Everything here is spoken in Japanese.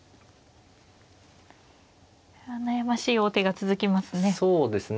悩ましい王手が続きますね。